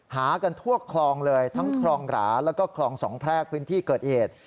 หากันทั่วคลองเลยทั้งคลองหราแล้วก็คลองสองแพรกพื้นที่เกิดเหตุ